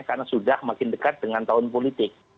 karena sudah makin dekat dengan tahun politik